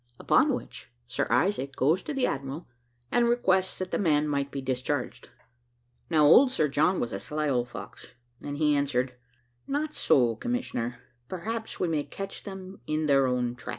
Upon which, Sir Isaac goes to the admiral, and requests that the man might be discharged. Now, old Sir John was a sly old fox, and he answered, `Not so, commissioner perhaps we may catch them in their own trap.'